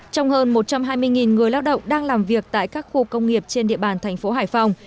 trong hơn một trăm hai mươi người lao động đang làm việc tại các khu công nghiệp trên địa bàn thành phố hải phòng